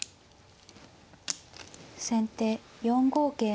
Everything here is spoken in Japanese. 先手４五桂馬。